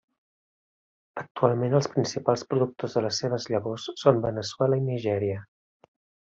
Actualment els principals productors de les seves llavors són Veneçuela i Nigèria.